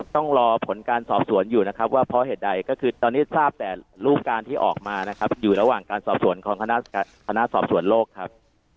ต้องรอผลการสอบสวนอยู่นะครับว่าเพราะเหตุใดก็คือตอนนี้ทราบแต่รูปการที่ออกมานะครับอยู่ระหว่างการสอบสวนของคณะสอบสวนโลกครับ